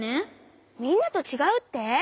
みんなとちがうって！？